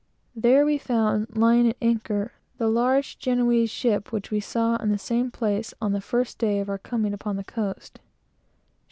There we found, lying at anchor, the large Genoese ship which we saw in the same place, on the first day of our coming upon the coast.